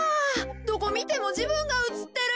どこみてもじぶんがうつってる。